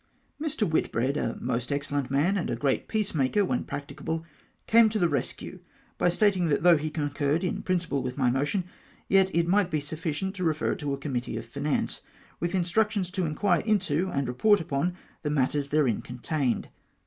Mr. Whitbread, a most excellent man, and a great peacemaker when practicable, came to the rescue, by stating that though he concurred in principle with my motion, yet it might be sufficient to refer it to a com mittee of finance, with instructions to inquire into and report upon the matters therein contained.